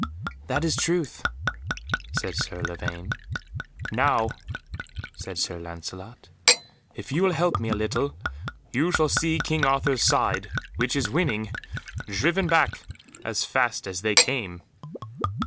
"That is truth," said Sir Lavaine. "Now," said Sir Lancelot, "if you will help me a little, you shall see King Arthur's side, which is winning, driven back as fast as they came."